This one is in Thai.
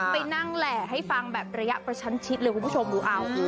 ไปนั่งแหล่ให้ฟังแบบระยะประชันชิดเลยคุณผู้ชมดูเอา